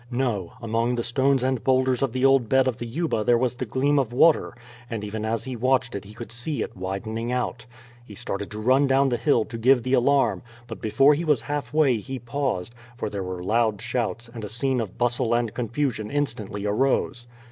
No; among the stones and boulders of the old bed of the Yuba there was the gleam of water, and even as he watched it he could see it widening out. He started to run down the hill to give the alarm, but before he was halfway he paused, for there were loud shouts, and a scene of bustle and confusion instantly arose.